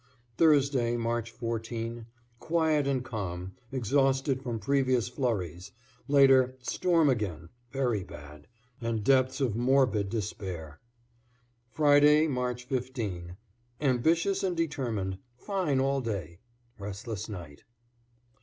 Thursday, March 14 Quiet and calm, exhausted from previous flurries; later, storm again, very bad, and depths of morbid despair. Friday, March 15 Ambitious and determined fine all day restless night.